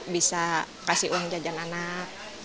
bisa kasih uang jajan anak